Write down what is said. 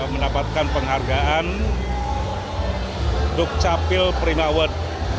mendapatkan penghargaan dukcapil prima award